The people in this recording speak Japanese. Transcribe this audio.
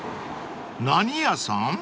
［何屋さん？］